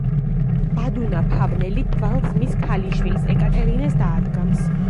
ბადუნა ფავნელი თვალს მის ქალიშვილს ეკატერინეს დაადგამს.